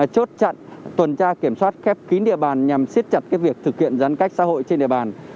chốt chặn tuần tra kiểm soát khép kín địa bàn nhằm siết chặt việc thực hiện giãn cách xã hội trên địa bàn